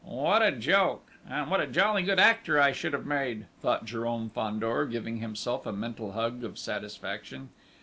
"What a joke!... And what a jolly good actor I should have made!" thought Jérôme Fandor, giving himself a mental hug of satisfaction....